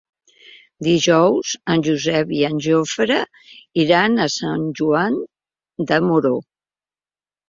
Dijous en Josep i en Jofre iran a Sant Joan de Moró.